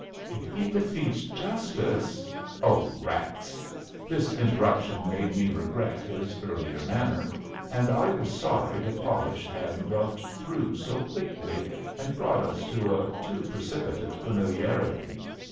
"If he defeats justice " "Oh, rats!" This interruption made me regret his earlier manner, and I was sorry the polish had rubbed through so quickly and brought us to a too precipitate familiarity.